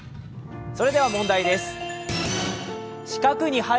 それでは問題です。